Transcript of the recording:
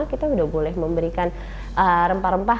kita sudah boleh memberikan rempah rempah